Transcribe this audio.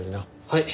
はい。